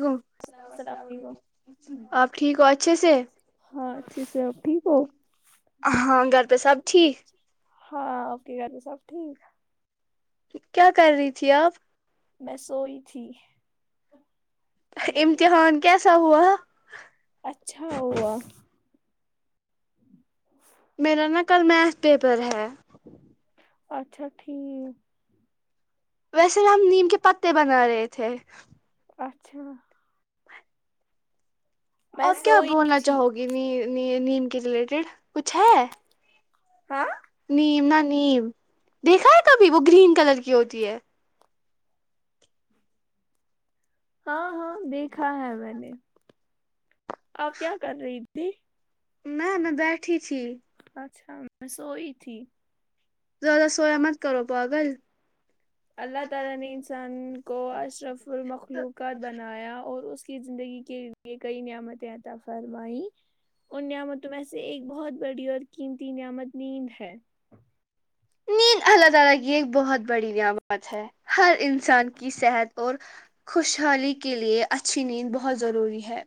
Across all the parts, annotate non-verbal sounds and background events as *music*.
ل اللام السلام علیکم آپ ٹھیک ہو اچھے سے ہاں اچھے سے آپ ٹھیک ہو ہاں گھر پہ سب ٹھیک ہاں اوکے گ سب ٹھیک کیا کر رہی تھی آپ میں سوئی تھی امتحان کیسا ہوا اچھا ا میرا نا کل میتھ پیپر ہے اچھا ٹھیک ویسے میں ہم نیم کے پتے بنا رہے تھے *inaudible* میں آپ کیا سوئی بولنا تھی چاہو گی ن نی نیم کے ریلیٹیڈ *inaudible* کچھ ہے ہاں نیم نہ نیم دیکھا ہے کبھی وہ گرین کلر کی ہوتی ہے ہاں ہاں دیکھا ہے میں نے آپ کیا کر رہی تھی *unintelligible* میں میں بیٹھی تھی میں سوئی تھی زیادہ سویا مت کرو پاگل اللہ تعالی نے انسان کو اشرف المخلوقات بنایا اور اس کی زندگی کے لیے کئی نعمتیں عطا فرمائییں ان نعمتوں میں سے ایک بہت بڑی اور قیمتی نعمت نیند ہے نین اللہ تعالی کی ایک بہت بڑی نعمت ہے ہر انسان کی صحت اور خوشحالی کے لیے اچھی نیند بہت ضروری ہے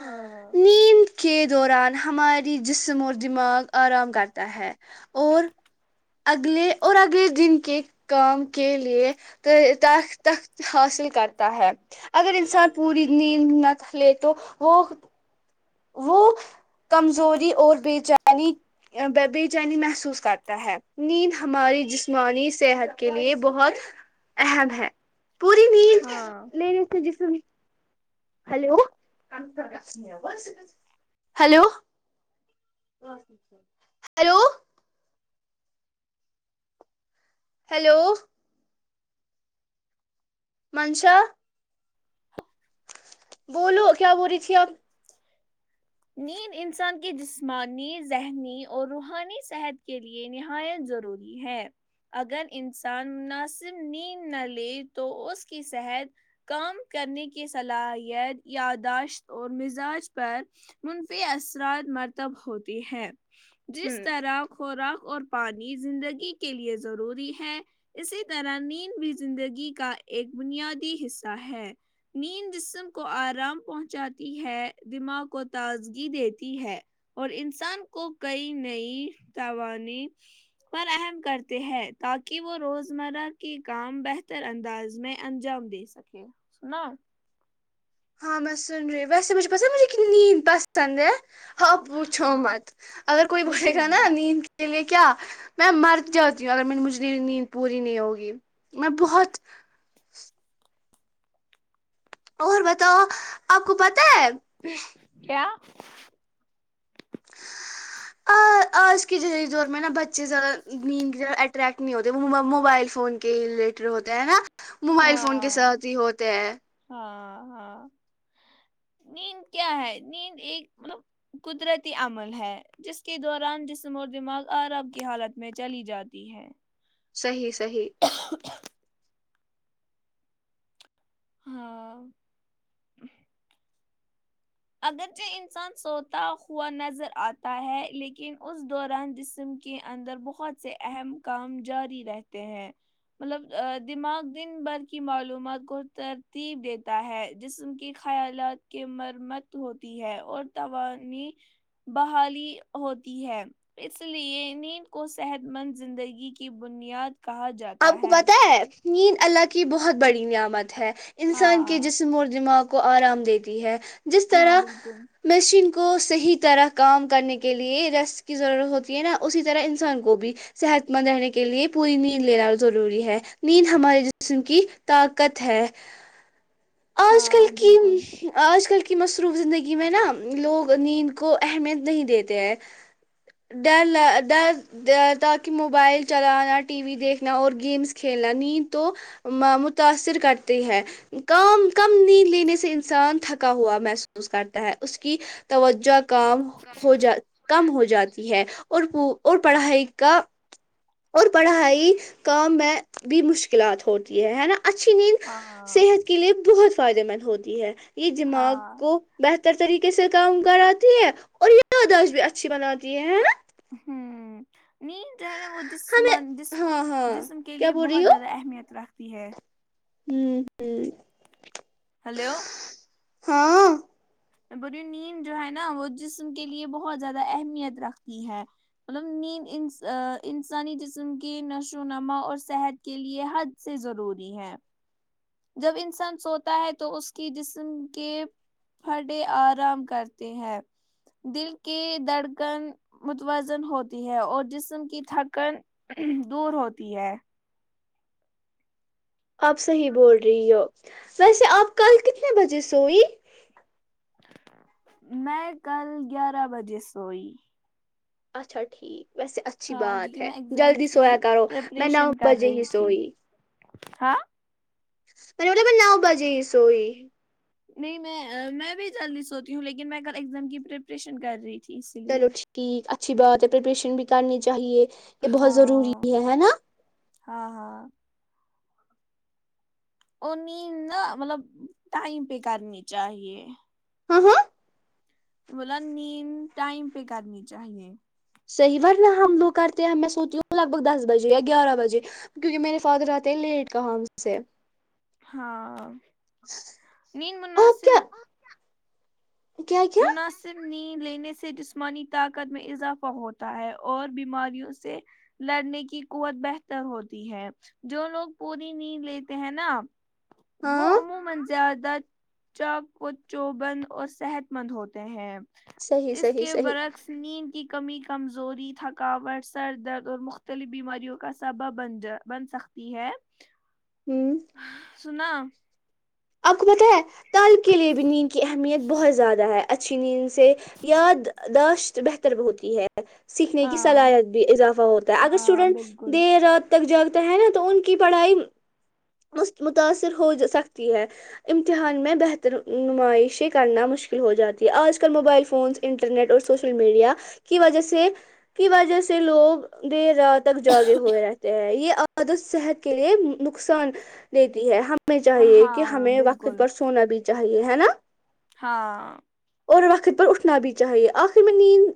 ہاں نیند کے دوران ہماری جسم اور دماغ آرام کرتا ہے اور اگلے اور اگلے دن کے کام کے کے لیے تخت حاصل کرتا ہے اگر انسان پوری نیند نہ لے تو وہ وہ کمزوری اور بے چینی بے چینی محسوس کرتا ہے نیند ہماری جسمانی صحت کے لیے بہت اہم ہے پوری نیند ہاں لے لیتے جسم hello hello hello hello Mansha بولو کیا بول رہی تھی اپ نیند انسان کی جسمانی ذہنی اور روحانی صحت کے لیے نہایت ضروری ہے اگر انسان مناسب نیند نہ لے تو اس کی صحت کام کرنے کی صلاحیت یاداشت اور مزاج پر منفی اثرات مرتب ہوتی ہے جس ہوں طرح خوراک اور پانی زندگی کے لیے ضروری ہے اسی طرح نیند بھی زندگی کا ایک بنیادی حصہ ہے نیند جسم کو آرام پہنچاتی ہے دماغ کو تازگی دیتی ہے اور انسان کو کئی نئی توان فراہم کرتے ہے تاکہ وہ روزمرہ کے کام بہتر انداز میں انجام دے سکےنا ہاں میں سن رہی ہ ویسے مجھے پسند مجھےنی نیند پسند ہے ہاں پوچھو ہاں مت اگر کوئی بولے مجھے گا نا بھی نیند لیے کیا میں مرت جاتی ہوں ا مجھ میری نیند پوری نہیں ہوگی میں بہت اور بتاؤ آپ کو پتا ہے کیا آج کے دور میں نا بچے زیادہ نیندہ اٹریکٹ نہیں ہوتے وہ موبائل فون کے ریلیٹڈ ہوتے ہیں نا موبائل ہاں فون کے ساتھ ہی ہوتے ہیں ہاں ہاں نیند کیا ہے نیند ایک مطلب قدرتی عمل ہے جس کے دوران جسم اور دماغ آرب کی حالت میں چلی جاتی ہے صحیح صحیح ہاں اگرچہ انسان سوتا ہوا نظر آتا ہے لیکن اس دوران جسم کے اندر بہت سے اہم کام جاری رہتے ہیں مطلب دماغ دن بھر کی معلومات کو ترتیب دیتا ہے جسم کے خیالات کے مرمت ہوتی ہے اور توانی بحالی ہوتی ہے اس لیے نیند کو صحت مند زندگی کی بنیاد کہا جاتا آپ کو ہے پتہ نیند اللہ کی بہت بڑی نعمت ہے انسان کے ہاں جسم اور دماغ کو آرام دیتی ہے جس ہاں طرح بالکل مشین کو صحیح طرح کام کرنے کے لیے رس کی ضرورت ہوتی ہے نا اسی طرح انسان کو بھی صحت مند رہنے کے لیے پوری ن لینا ضروری ہے نیند ہمارے جسم کی طاقت ہے آج کل ہاں کی بالکل آج کل کی مصروف زندگی میں نا لوگ نیند کو اہمیت نہیں دیتے ہیں ڈر ڈر تاکہ موبائل چلانا ٹی وی دیکھنا اور گیمس کھیلنا نیند تو متاثر کرتی ہے کام کم نیند لینے سے انسان تھکا ہوا محسوس کرتا ہے اس کی توجہ کام ہو جا کم ہو جاتی ہے اور وہ اور پڑھائی کا اور پڑھائی کام میں بھی مشکلات ہوتی ہے ہے نا اچھی نیند ہاں صحت کے لیے بہت فائدے مند ہوتی ہے اس دماغ ہاں کو بہتر بتر طریقے سے کام کراتی ہے اور یاداشت بھی اچھی بناتی ہے نا ہوں نیند جو ن وہ جسم ہمیں جسم ہاں ہاں جسم کے کیا لیے بول رہی بہت ہو زیادہ اہمیت رکھ ہے ہوں ہوں ہلو ہاں بولیے نیند جو ہے نا وہ جسم کے لیے بہت زیادہ اہمیت رکھتی ہے مطلب نیند انسانی جسم کے نشو و نما اور صحت کے لیے حد سے ضروری ہے جب انسان سوتا ہے تو اس کی جسم کے پھڑے آرام کرتے ہے دل کے دھڑکن متوازن ہوتی ہے اور جسم کی تھکن دور ہوتی ہے آپ صحیح بول رہی ہو ویسے آپ کل کتنے بجے سوئی میں کل گیارہ بجے سوئی اچھا ٹھیک ویسے اچھی ہاں بات کیونکہ ہے میں ایگزام جلدی کی سویا کرو میں نو پریپریشن کر بجے ہی رہی تھی سوئی ہاں پ وہلاے میں نو بجے سوئی نہیں میں میں بھی جلدی سوتی ہوں لیکن میں کل ایگزام کی پریپریشن کر رہی تھی اسی لیے چلو ٹھیک اچ اچھی باتت ہے پریپریشن بھی کرنی چاہیے یہ بہت ضروری ہاں ہے ہے نا ہاں ہاں اور نیند نا مطلب ٹائم پہ کرنی چاہیے ہاں ہاں بولا نیند ٹائم پہ کرنی چاہیے صحیح ورنہ ہم لوگ کرتے ہیں میں سوتی ہوں لگ بگ دس بجے یا گیارہ بجے کیونکہ میرے فادر آتے ہیں لیٹ کہ ہم سے ہاں نیند آپ مناسب کیا کیا کیا مناسب نیند لینے سے جسمانی طاقت میں اضافہ ہوتا ہے اور بیماریوں سے لڑنے کی قوت بہتر ہوتی ہے جو لوگ پوری نیند لیتے ہیں نا وہ ہاں عموما کہ زیادہ چاک و چوبند اور صحت مند ہوتے ہیں صحیح اس صحیح کے صحیح برعکس نیند کی کمی کمزوری تھکاوٹ سر درد اور مختلف بیماریوں کا سبب بن ج بن سکتی ہے ہوں سنا آپ کو پتہ ہے طلبا کے لیے بھی نیند کی اہمیت بہت زیادہ ہے اچھی نیند سے یادداشت بہتر ہوتی ہے سیکھنے کی ہاں صلاحیت بھی اضافہ ہوتا ہے اگر ہاں اسٹوڈنٹ بالکل دیر رات تک جا کے ہیں نا تو ان کی پڑھائی متاثر ہو سکتی ہے امتحان میں بہتر نمائشیں کرنا مشکل ہو جاتی ہے آج کل موبائل فونس انٹرنیٹ اور سوشل میڈیا کی وجہ سے کی وجہ سے لوگ دیر رات تک جاگے ہوئے رہتے ہیں یہ مدد صحت کے لیے نقصان دیتی ہے ہم میں چاہیے ایک کہ ہاں ہمیں وقت بالکل پر سونا بی چاہیے ہے نا ہاں اور وقت پر اٹھنا بھی چاہیے آخر میں نیند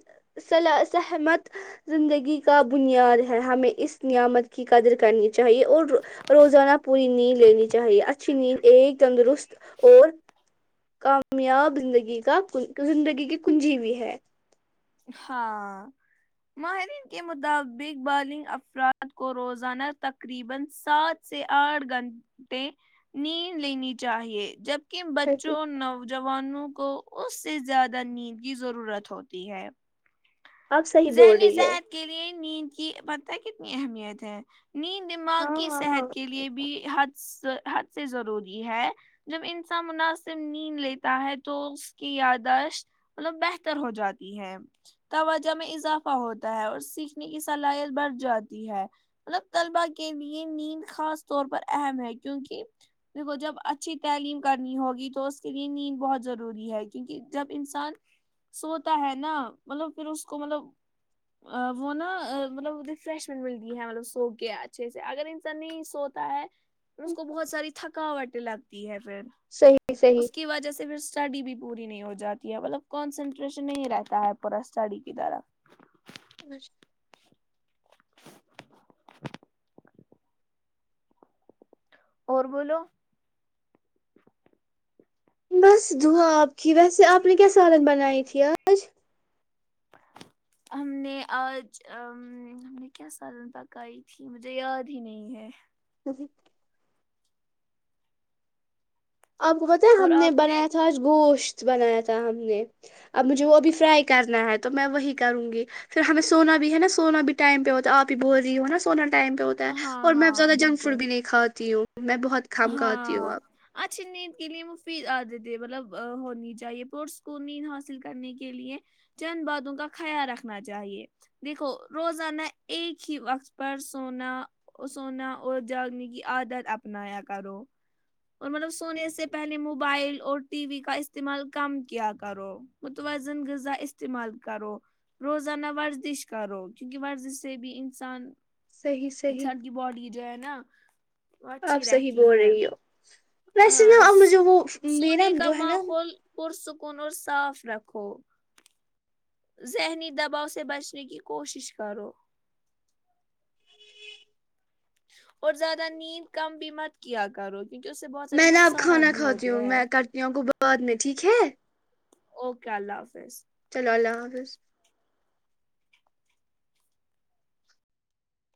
صلا سحمت زندگی کا بنیاد ہے ہمیں اس نعمت کی قدر کرنی چاہیے اور روزانہ پوری نہیں لینی چاہیے اچھی نہیں ایک تندرست اور کامیاب زندگی کا زندگی کی کنجی بھی ہے ہاں ماہرین کے مطابق بالنگ افراد کو روزانہ تقریبا سات سے اٹھ گنتے نیند لینی چاہیے جب کہ بچوں نوجوانوں کو اس سے زیادہ نیند کی ضرورت ہوتی ہے آپ صحیح بول ذہنی رہی ہو صحت کے لیے نیند کی پتہ ہے کتنی اہمیت ہے نیند دماغی ہاں ہاں صحت کے لیے بے حد حد سے ضروری ہے جب انسان مناسب نیند لیتا ہے تو اس کی یاداشت مطلب بہتر ہو جاتی ہے توج میں اضافہ ہوتا ہے اور سیکھنے کی صلاحیت بڑھ جاتی ہے مطلب طلبا کے لیے نیند خاص طور پر اہم ہے کیوںکہ دیکھو جب اچھی تعلیم کرنی ہوگی تو اس کے لیے نیند بہت ضروری ہے کیونکہ جب انسان سوتا ہے نا مطلب پھر اس کو مطلب وہ نا مطلب ریفریشمنٹ ملتی ہے مطلب سو کے اچھے سے اگر انسان نہیں سوتا ہے اس کو بہت ساری تھکاوٹ لگتی ہے پھر صحیح صحیح اس کی وجہ سے پھر اسٹڈی بھی پوری نہیں ہو جاتی ہے مطلب کانسنٹریشن نہیں رہتا ہے پورا اسٹڈی ادارہ *unintelligible* *unintelligible* اور بولو بس دھواں آپ کی ویسے آپ نے کیا سالن بنائی پیاز ہم نے آج ا ہم نے کیا سالن پکائی تھی مجھے یاد ہی نہیں ہے کب آپ کو پتا ہے اور ہم نے آپ بنایا تھا آج گوشت بنایا تھا ہم نے اب مجھے وہ بھی فرائی کرنا ہے تو میں وہی کروں گی پھر ہمیں سونا بھی ہے نا سونا بھی ٹائم پہ ہوتا ہے آپ ہی بول رہی ہ ہو نا سونا ٹائم پہ ہوتا ہے ہاں اور میں اب ہاں زیادہ جنک فوڈ بالکل بھی نہیں کھاتی ہوں میں بہت کام کاتی ہوں ہاں اب اچھی نیند کے لیے مفید عادتیں مطلب ہونی چاہیے پرسکونین حاصل کرنے کے لیے چند باتوں کا خیال رکھنا چاہیے دیکھو روزانہ ایک ہی وقت پر سونا سونا اور جاگنی کی عادت اپنایا کرو اور مطلب سونے سے پہلے موبائل اور ٹی وی کا استعمال کم کیا کرو متوازن غذا استعمال کرو روزانہ ورزش کرو کیونکہ ورزش سے بھی انسان صحیح صحیح انسان کی باڈی جو ہے ن وہ اچھی آپ ہی صحیح رہتی بول ہے رہی ہو ویسے نا آ، اب س- جو وہ م نا سونے کا جو ہے نا ماحول پرسکون اور صاف رکھو ذہنی دباؤ سے بچنے کی کوشش کرو اور زیادہ نیند کم بھی مت کیا کرو کیونکہ اس سے بہت سارے میں نا اب نقصانات کھانا بھی کھاتی ہوتے ہوں ہیں میں کرتی ہوں کو بعد میں ٹھیک ہے اوکے اللہ حافظ چلو اللہ حافظ